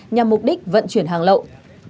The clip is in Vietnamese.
nhằm mục đích vận chuyển hàng lậu